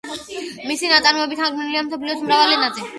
მისი ნაწარმოებები თარგმნილია მსოფლიოს მრავალ ენაზე.